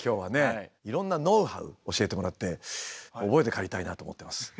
いろんなノウハウ教えてもらって覚えて帰りたいなと思ってます。